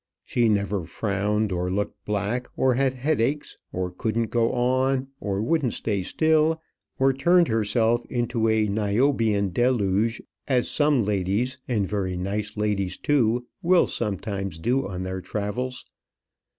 She never frowned, or looked black, or had headaches, or couldn't go on, or wouldn't stay still, or turned herself into a Niobean deluge, as some ladies, and very nice ladies too, will sometimes do on their travels.